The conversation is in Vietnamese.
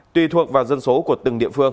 tùy thuộc vào dân số của từng địa phương